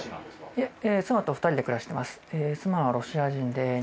いえ妻と２人で暮らしてます。